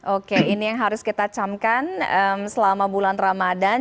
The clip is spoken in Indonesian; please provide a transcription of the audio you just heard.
oke ini yang harus kita camkan selama bulan ramadan